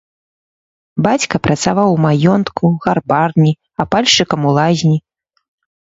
Бацька працаваў у маёнтку, гарбарні, апальшчыкам у лазні.